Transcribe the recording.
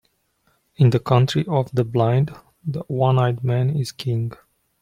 In the country of the blind, the one-eyed man is king.